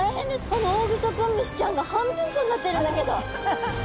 このオオグソクムシちゃんが半分こになってるんだけど！